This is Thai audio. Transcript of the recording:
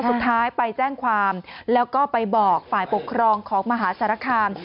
สุดท้ายไปแจ้งความแล้วก็ไปบอกฝ่ายปกครองของมหาสารคาม